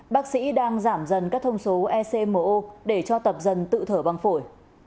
bác sĩ đang giảm dần các thông số ecmo để cho tập dần tự thở băng phổi